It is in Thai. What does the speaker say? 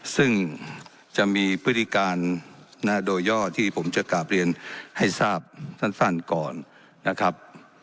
ซึ่งจะมีพฤติการโดยย่อที่ผมจะกลับเรียนให้ทราบสั้นก่อนนะครับ